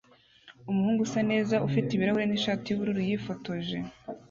Umuhungu usa neza ufite ibirahure nishati yubururu yifotoje